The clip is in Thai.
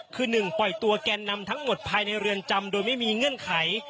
คือ๑ปล่อยตัวแกนนำทั้งหมดภายในเรือนจำโดยไม่มีเงื่อนไข